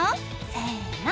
せの。